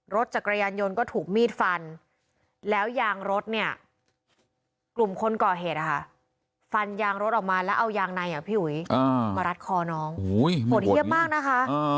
แล้วเอายางในอ่ะพี่หุยอ่ามารัดคอน้องโห้ยโหดเยี่ยมมากนะคะอ่า